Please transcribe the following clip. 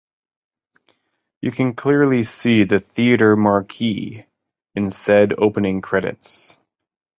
You can clearly see the theater marquee in said opening credits.